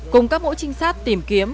cùng các mẫu trinh sát tìm kiếm